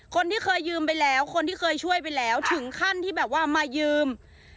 คนที่เคยยืมไปแล้วคนที่เคยช่วยไปแล้วถึงขั้นที่แบบว่ามายืม